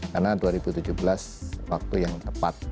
karena dua ribu tujuh belas waktu yang tepat